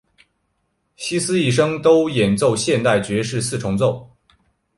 希斯一生都演奏现代爵士四重奏。